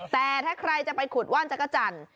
แต่ถ้าใครจะไปขุดว่านจักรจันทร์